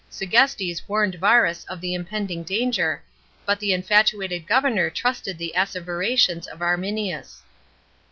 Segestes warned Varus of the impending dancer, but the infatuated governor trusted the as everations of Arminius.